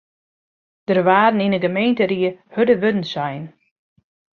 Der waarden yn de gemeenteried hurde wurden sein.